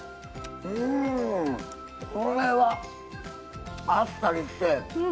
うんこれはあっさりして。